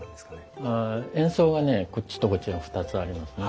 円相がねこっちとこっちに２つありますね。